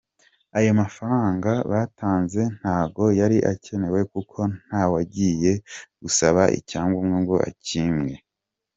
Ayo mafaranga batanze, ntago yari akenewe kuko nta wagiye gusaba icyangombwa ngo akimwe.